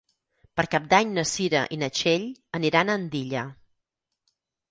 Per Cap d'Any na Cira i na Txell aniran a Andilla.